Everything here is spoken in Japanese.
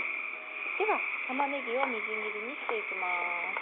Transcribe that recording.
では、たまねぎをみじん切りにしていきます。